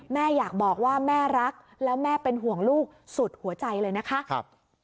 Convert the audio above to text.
แม่อยากบอกว่าแม่รักแล้วแม่เป็นห่วงลูกสุดหัวใจเลยนะคะ